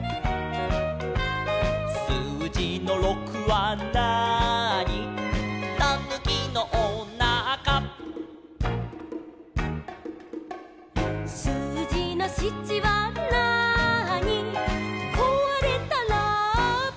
「すうじの６はなーに」「たぬきのおなか」「すうじの７はなーに」「こわれたラッパ」